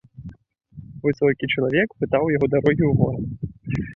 Высокі чалавек пытаў у яго дарогі ў горад.